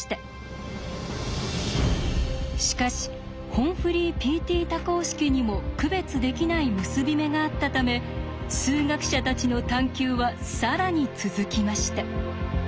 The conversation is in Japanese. しかしＨＯＭＦＬＹＰＴ多項式にも区別できない結び目があったため数学者たちの探求は更に続きました。